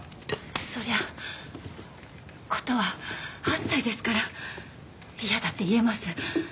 そりゃあ琴は８歳ですから嫌だって言えます。